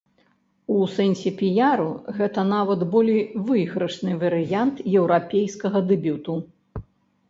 У сэнсе піяру гэта нават болей выйгрышны варыянт еўрапейскага дэбюту.